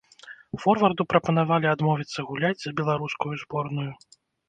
Форварду прапанавалі адмовіцца гуляць за беларускую зборную.